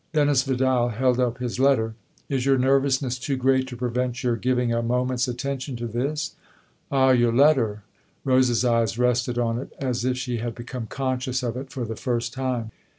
Dennis Vidal held up his letter. " Is your nervousness too great to prevent your giving a moment's attention to this ?"" Ah, your letter !" Rose's eyes rested on it as if she had become conscious of it for the first time.